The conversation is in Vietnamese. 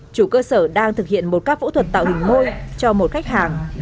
chủ cơ sở đang thực hiện một các phẫu thuật tạo hình môi cho một khách hàng